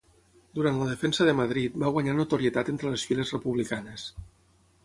Durant la defensa de Madrid va guanyar notorietat entre les files republicanes.